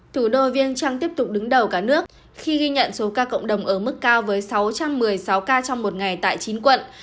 thủ đô viên trăng tiếp tục đứng đầu cả nước khi ghi nhận số ca cộng đồng ở mức cao với sáu trăm một mươi sáu ca trong một ngày tại chín quận